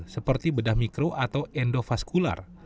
seperti bedah mikro atau endovaskular